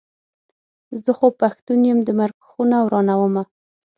زه خو پښتون یم د مرک خونه ورانومه.